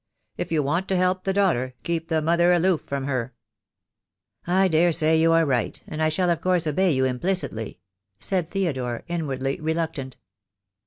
If you want to help the daughter, keep the mother aloof from her." "I daresay you are right, and I shall of course obey you implicitly," said Theodore, inwardly reluctant.